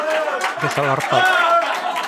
Desalarpado.